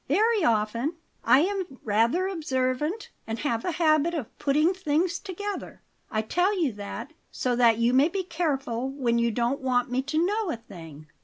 "Very often. I am rather observant, and have a habit of putting things together. I tell you that so that you may be careful when you don't want me to know a thing."